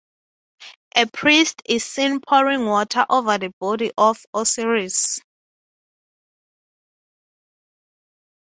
A priest is seen pouring water over the body of Osiris.